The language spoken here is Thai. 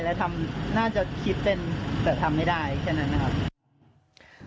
และทำน่าจะคิดเต้นแต่ทำไม่ได้แค่นั้นนะครับ